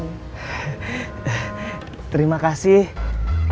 kamu dan aku masalah siapa nih pengen sirip billy cam